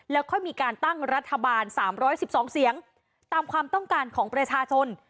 แล้วค่อยมีการตั้งรัฐบาล๓๑๒เสียงตามความต้องการของประชาชน